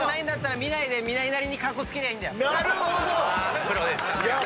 なるほど！